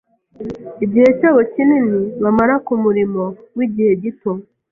Igihe cyabo kinini bamara kumurimo w'igihe gito.